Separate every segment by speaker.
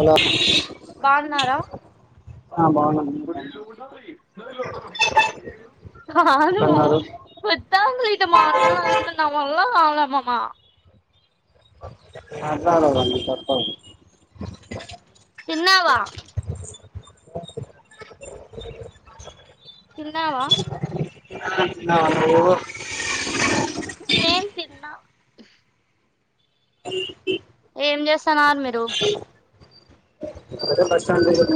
Speaker 1: అలో
Speaker 2: [unintelligible]
Speaker 1: బాగున్నారా ఎట్లున్నారు
Speaker 2: ఇట్టా మాట్లాడాలంటే నావల్ల కాదులే మామ
Speaker 1: మాట్లాడాలమ్మి తప్పదు
Speaker 2: తిన్నావా
Speaker 1: [inaudible]
Speaker 2: తిన్నావా
Speaker 1: ఆ తిన్నావా నువ్వు
Speaker 2: నేన్ తిన్నా
Speaker 1: అ [inaudible]
Speaker 2: ఏం చేస్తన్నారు మీరు
Speaker 1: బస్టాండ్ దగ్గర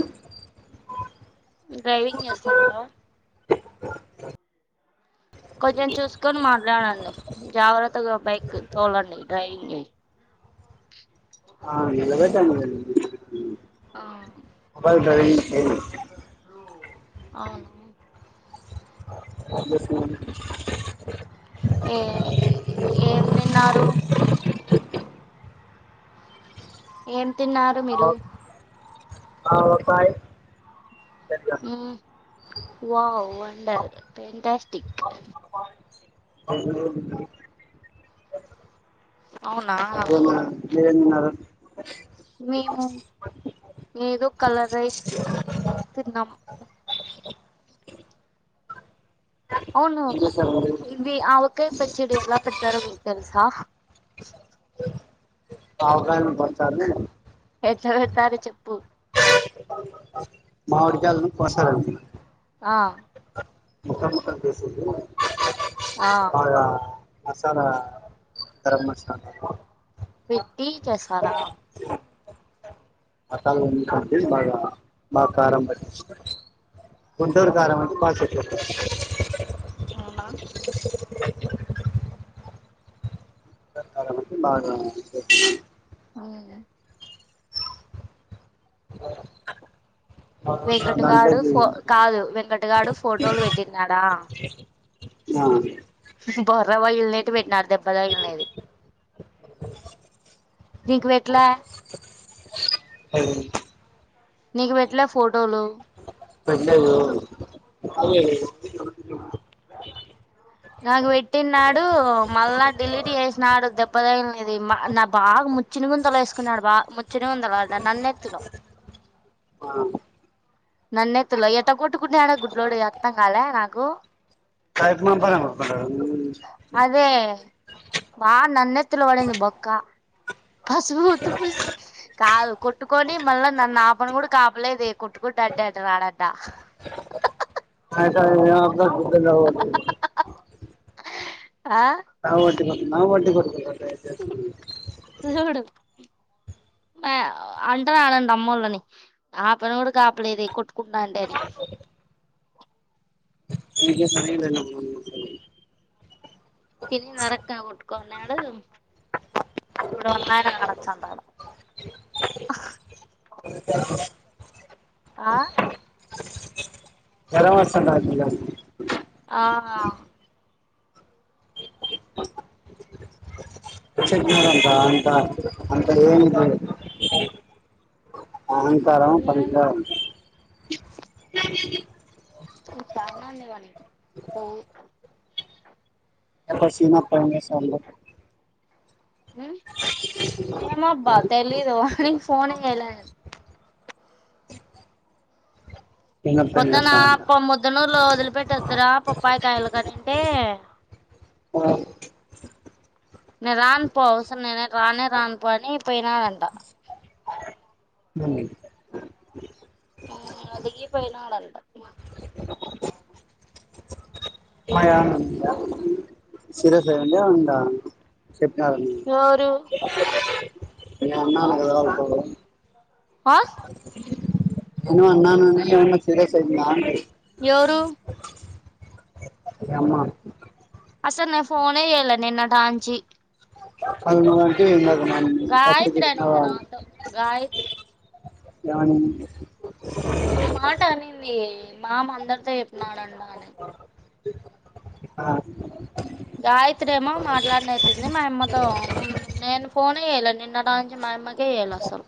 Speaker 2: డ్రైవింగ్ చేస్తున్నారా కొంచెం చూసుకొని మాట్లాడండి జాగ్రత్తగా బైక్ తోలండి డ్రైవింగ్ ఓ
Speaker 1: ఆ నిలబెట్టండి దానికి
Speaker 2: ఆ
Speaker 1: మొబైల్ డ్రైవింగ్ లేదు
Speaker 2: ఆ
Speaker 1: అంత సీన్
Speaker 2: ఏ ఏం తిన్నారు
Speaker 1: హట్
Speaker 2: ఏం తిన్నారు మీరు
Speaker 1: ఆవకాయ్
Speaker 2: వావ్ వండర్ ఫెంటాస్టిక్
Speaker 1: అందులో
Speaker 2: అవునా
Speaker 1: మీరేం తిన్నారు
Speaker 2: మేము ఏదో కలర్ రైస్ తిన్నాం అవును
Speaker 1: ఏం చేశారండి
Speaker 2: ఇవి ఆవకాయ్ పచ్చడి ఎలా పెడతారు మీకు తెలుసా
Speaker 1: ఆవకాయను పచ్చడి
Speaker 2: ఎట్లా పెడతారు చెప్పు
Speaker 1: మామిడికాయలను కోసరండి
Speaker 2: ఆ
Speaker 1: ముక్కన్ మక్కన్సిగా
Speaker 2: ఆ
Speaker 1: మసాల గరం మసాల
Speaker 2: భట్టి కైసా రామ్
Speaker 1: అసాల మా మా కరంభ కొంటరు గారమ ప
Speaker 2: అవున
Speaker 1: బాగ
Speaker 2: అవును
Speaker 1: బ
Speaker 2: వెంకటగాడు ఫో కాదు వెంకటగాడు ఫోటోలు పెట్టిన్నాడా
Speaker 1: ఆ
Speaker 2: బర్ర వా ఇల్ నటి భట్న అ ద పదనేది నీకు ఎట్లా
Speaker 1: అవు
Speaker 2: నీకు పెట్లే ఫోటోలు
Speaker 1: పల
Speaker 2: నాకు పెట్టిన్నాడు మళ్ళా డిలీట్ చేసినాడు దెబ్బతైనది నా బాగ ముచ్చిన ముందలు వేసుకున్నాడు బా ముచ్చని ముందలు నన్నెత్తులో
Speaker 1: ఆ
Speaker 2: నన్నే తల్ ఎటా కొట్టుకుంట ఆడా గుడ్లడు అతా కాల నాకు
Speaker 1: టైపు మా బా మ
Speaker 2: అదే బా నన్నెతు వడంది బొక్కా పసుపు ఉత్తు ప కాదు కొట్టుకొని మళ్ళీ నన్నపను కూడా కాపలేదు కుట్టుకుంటడ్డ అట రాడడా
Speaker 1: బద్ద
Speaker 2: ఆ
Speaker 1: నా ఒడ్టిద్ నా వడ్
Speaker 2: సూడు అంటరానండి అమ్మళ్ళని ఆ పెను కూడా కాపలేదు కుట్ బాంతడి
Speaker 1: ఇక సరవె
Speaker 2: తిన నరక కుటుకోన్నడ ఇప్పుడ ఒన్నాన కనచ్చందడం ఆ
Speaker 1: జరమ అస
Speaker 2: ఆ
Speaker 1: చెప్పినారంతా అంత అంత ఏమిది అహంకారం పనికినికిడ ఉంది
Speaker 2: సావనా లేవాని
Speaker 1: ఎప్పుడు స సినిమా పడుంగా స
Speaker 2: ఏమబ్బా తెలీదునికి ఫోన్ చేయలా
Speaker 1: చిన్నప్ప ఏం
Speaker 2: పొద్దున
Speaker 1: చేస్తాండు
Speaker 2: ప ముద్దున వదిలి పెట్టొద్రా పప్పాయి కాయలు కానింటే
Speaker 1: ఆ
Speaker 2: నేను రాన్ పోవసర నేను రానేే రాన్ పో పోయినా వెంటా
Speaker 1: అ
Speaker 2: అదిగ ఈ పయనాడంట
Speaker 1: డి సిరస్ అండి అవుం చె
Speaker 2: ఎవరు
Speaker 1: అన్న నా ఏదా పో
Speaker 2: ఆ
Speaker 1: ఏను అన్నా సీరియస్ అయిన్నా అ
Speaker 2: ఎవురు
Speaker 1: మీ అమ్మ
Speaker 2: అసల్ నేన్ ఫోనే చేయాలా నిన్నటనుంచి.
Speaker 1: అది నువ్వంటివి ఇందాక
Speaker 2: గాయిత్రి అనింది నాతో గాయిత్రి
Speaker 1: ఏమని
Speaker 2: ఆ మాట అనింది మామ అందరితో చెప్పినాడంట అని.
Speaker 1: ఆ
Speaker 2: గాయిత్రిేమో మాట్లాడినట్టుంది మా అమ్మతో ఉమ్ నేను ఫోనే చేయాల నిన్నట్ నిన్నట నుంచి మా అమ్మకే చేయాలా అసలు.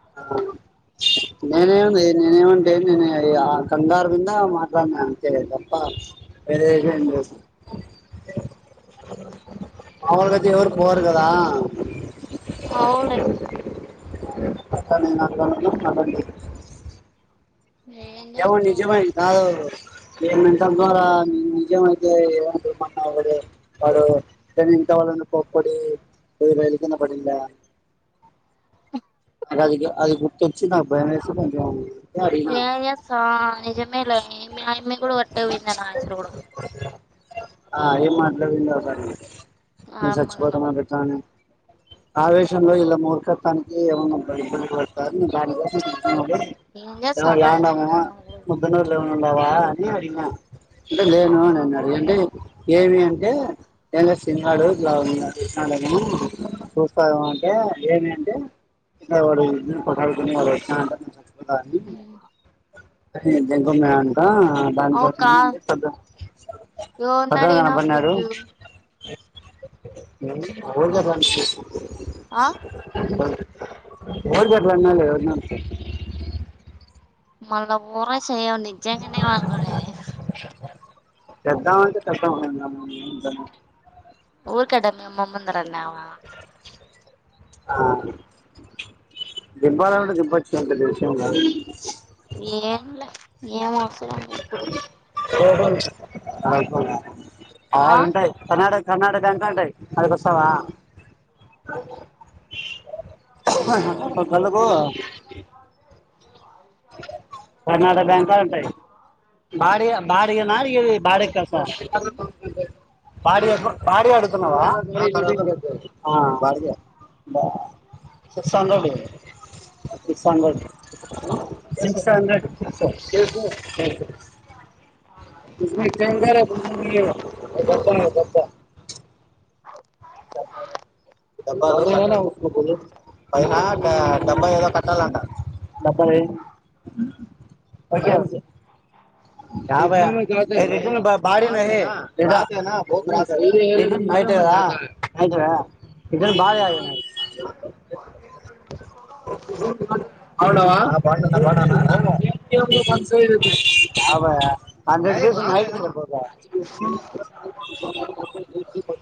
Speaker 2: [inaudible]
Speaker 1: నేనేమ్లే నేనేమంటే నేను ఎ ఆ ఆ కంగారు కింద మాట్లాడినా అంతే తప్ప. వేరేదేం లేదు ఆవుల దగ్గరికి ఎవరు పోరు కదా.
Speaker 2: అవ్లే
Speaker 1: [unintelligible]
Speaker 2: ఏం
Speaker 1: ఏవో
Speaker 2: చేస్తావ్
Speaker 1: నిజమయిందా ఏ మెంటల్ ద్వారా నిజమైతే ఏమకున్నా వాడు ఇంట్లో వాళ్ళ మీద కోప్పడి. యే రైలు కింద పడిందా
Speaker 2: ఆ
Speaker 1: అదిగా అది గుర్తు వచ్చి నా భయం చేేస కొ [unintelligible]
Speaker 2: ఎమ్ చేస్తావ్ ఆ నిజమే ఆమె కూడా పట్టకపోయింది నా ఉసురు కూడా.
Speaker 1: ఆ ఎమ్ మాట్లాడిందో ఒక సారి విను
Speaker 2: ఆ
Speaker 1: నేను చచ్చిపోతా
Speaker 2: అమ్మ
Speaker 1: అని పెట్టానని ఆవేశంలో ఇలా మూర్ఖాత్వనికి ఏవో కొన్ని కొన్ని సార్లు [unintelligible] డి
Speaker 2: ఏం
Speaker 1: ఎవో
Speaker 2: చేస్తావ్ అబ్బా
Speaker 1: ల్యాండ్
Speaker 2: ఇక
Speaker 1: అవ్వమూ
Speaker 2: అమ్మ కూడా
Speaker 1: పొద్దున లెవెన్ ఉండవా అని అడిిగిన అంటే
Speaker 2: ఆ
Speaker 1: లేేను అని అన్నాడు ఏమన్ ఏమి అంటే ఏమ్లా సీను గాడు ఇట్లా నిన్న చేసినాడు చూస్తారు అంటే ఏమి అంటే [unintelligible] అని దేంకొని పోయినదాంట
Speaker 2: అవు కా
Speaker 1: దానికోసము అంటే పొద్దున్
Speaker 2: ఎవరిని
Speaker 1: పొద్దానా
Speaker 2: అడిగినా
Speaker 1: కనపడినాడు
Speaker 2: ఫ్రిడ్జ్
Speaker 1: అవును కదా
Speaker 2: ఆ
Speaker 1: ఊర్కేట్ల అన్నాలే [unintelligible]
Speaker 2: మళ్ళ ఉరసయ్యవ్ నిజంగానే అనుకున్నానే
Speaker 1: పెద్దామె అంటే పెద్దమే [unintelligible]
Speaker 2: ఊరక్కట మీ అమ్మ ముందర అన్నవా
Speaker 1: ఆ దిబ్బలంటే దిబ్బచ్చుగా పెద్ద విషయం కాదు.
Speaker 2: ఎమ్ల్యా ఎమ్ అవసరం ఇప్పుడు
Speaker 1: ఓహో [unintelligible]
Speaker 2: ఆ
Speaker 1: ఆడుంటాయ్ కర్నాటక్ కర్ణాటక అంత ఉంటయ్ ఆడికొస్తవా వు హ వాళ్ళ కల్లుకో కర్నాటక అంత ఉంటాయ్ బాడిగ బాడిగనా అడిగేది బాడెగ్కి వస్తా బాడిగకూ బాడి అడుగ్ పోతన్నవా ఆ బాడిగే బా సిక్స్ హండ్రెడ్ ఇయ్ సిక్స్ హండ్రెడ్ సిక్స్ [unintelligible] [unintelligible] బతరా బత్త చెబ్బ డబ్బా పైన కూర్చోపోయే పైనా డబ్బా ఏయ్ పడితే ఆంసే [inaudible] [inaudible] [inaudible] [inaudible] [unintelligible] [inaudible]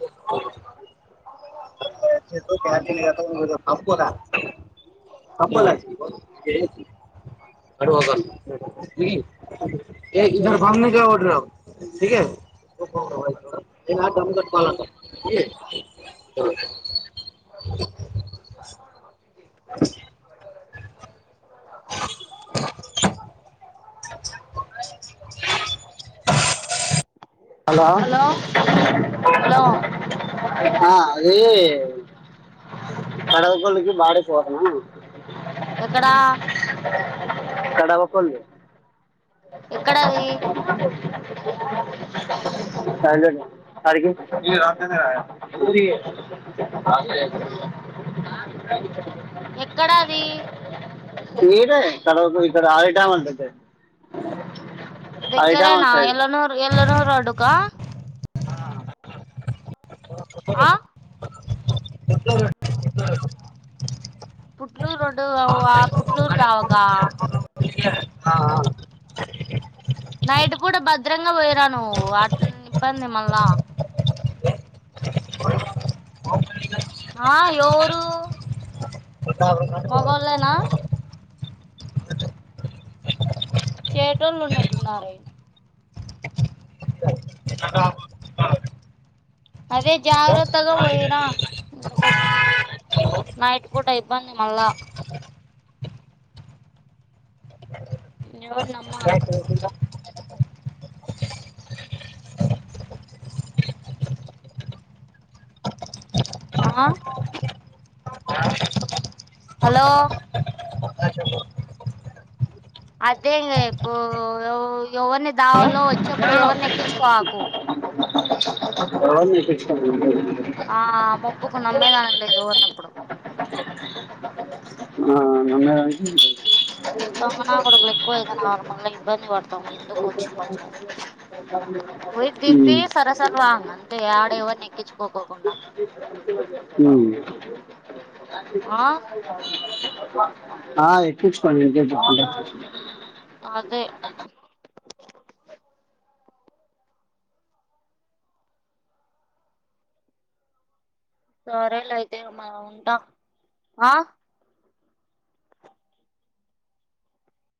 Speaker 1: వునుచు ఆతిని కతో ఇదర్ పట్కొ రా అప్పలా [unintelligible] [inaudible] హలో
Speaker 2: హలో
Speaker 1: ఆ అది కడవ వాళ్ళకి బాడెక్కి పోతన్నా
Speaker 2: ఎక్కడా
Speaker 1: కడవ కొల్లు
Speaker 2: ఎక్కడదీ
Speaker 1: [inaudible] హ్యాండ్ బ్రేక్
Speaker 2: ఎక్కడది
Speaker 1: ఇడే కడవకూ ఇక్కడ ఐటామెల్ దగ్గర్కి
Speaker 2: దెగ్గరేనా ఎల్లనూర్ ఎల్లనూర్ రోడ్డు కో
Speaker 1: ఆ దెగ్గరే
Speaker 2: ఆ
Speaker 1: దెగ్గరండి దెగ్గరే
Speaker 2: పుట్లూర్ రోడ్డు అవ్వా పుట్లూర్ దావకా
Speaker 1: ఆ ఆ
Speaker 2: నైటు కూడ భద్రంగా పోయిరా నువ్వూ ఆట్లోని ఇబ్బంది మళ్ళా ఆ ఎవరు
Speaker 1: కొండాపురం దాటి పోవాలే
Speaker 2: మగోళ్ళేనా చేటోలున్నట్లున్నారే అదే జాగ్రత్తగా పోయిరా ఎందుకొచ్చింది నైట్ పూట ఇబ్బంది మల్ల ఎవరిని నమ్మకు ఆ హలో అదేం ఇప్పు ఎవరిని దావాలో వచ్చేప్పుడు ఎవరిని ఎక్కించుకోకు
Speaker 1: [inaudible]
Speaker 2: ఆ మబ్బకు నమ్మేదాని లేదుని ఇప్పుడు
Speaker 1: ఆ, నమ్మేదానికి?
Speaker 2: దొంగనకొడుకులు ఎక్కువ అయితనరు మల్ల ఇబ్బంది పడతం ఎందుకు వయి బింబ
Speaker 1: ఉమ్,
Speaker 2: సరసర వాంగ [inaudible] ఆడ ఎవరిని ఎక్కించుకోకోకుండా
Speaker 1: ఉమ్
Speaker 2: ఆ
Speaker 1: ఆ ఎక్కించుకొను ఎందుకు ఎక్కించుకుంటా
Speaker 2: అదే సరే లే అయితే మ ఉంటాం ఆ